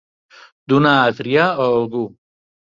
Donar a triar a algú.